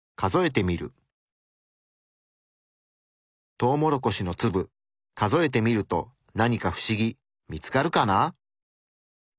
トウモロコシの粒数えてみると何かフシギ見つかるかな？